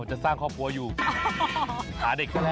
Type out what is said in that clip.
จะสร้างครอบครัวอยู่หาเด็กซะแล้ว